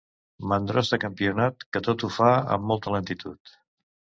Mandrós de campionat, que tot ho fa amb molta lentitud.